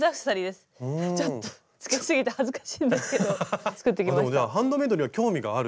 つけすぎて恥ずかしいんですけど作ってきました。